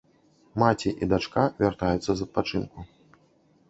Маці і дачка вяртаюцца з адпачынку.